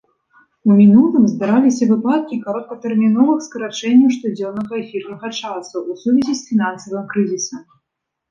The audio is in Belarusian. У мінулым здараліся выпадкі кароткатэрміновых скарачэнняў штодзённага эфірнага часу ў сувязі з фінансавым крызісам.